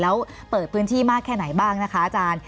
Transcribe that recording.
แล้วเปิดพื้นที่มากแค่ไหนบ้างนะคะอาจารย์